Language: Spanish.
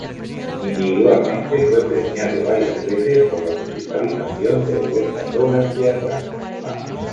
Individualmente fue premiado varias veces por la musicalización de diversas obras teatrales.